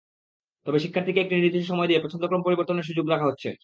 তবে শিক্ষার্থীকে একটি নির্দিষ্ট সময় দিয়ে পছন্দক্রম পরিবর্তনেরও সুযোগ রাখা হচ্ছে।